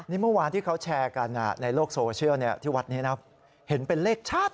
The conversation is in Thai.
นี่เมื่อวานที่เขาแชร์กันในโลกโซเชียลที่วัดนี้นะเห็นเป็นเลขชัด